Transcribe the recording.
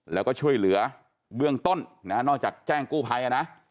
แล้วก็ช่วยเหลือเบื้องต้นนะนอกจากแจ้งกู้ภัยนะ